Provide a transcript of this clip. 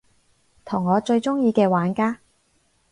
同我最鍾意嘅玩家